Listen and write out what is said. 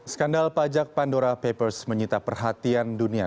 skandal pajak pandora papers menyita perhatian dunia